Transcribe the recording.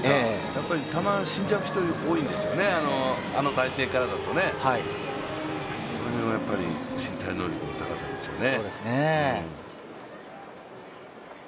やっぱり球、死んじゃう人多いんですよね、あの体勢からだと、その辺はやっぱり進退能力の高さですよね。